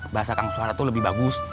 bahasa kang kesuara tuh lebih bagus